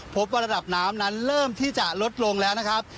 พบว่าระดับน้ำนั้นเริ่มที่จะลดลงแล้วนะครับ